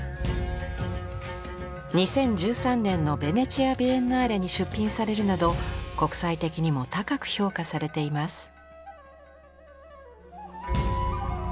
２０１３年のベネチア・ビエンナーレに出品されるなど国際的にも高く評価されています。